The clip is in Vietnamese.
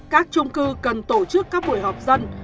các trung cư cần tổ chức các buổi họp dân